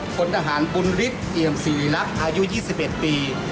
พลทหารบุญฤทธิ์เอี่ยมศิริรักษ์อายุ๒๑ปี